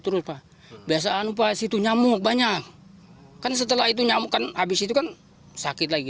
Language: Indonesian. peduli pak sauce saja pak situ nyamuk banyakquent setelah itu nyamuk kan habis itu kan sakit lagi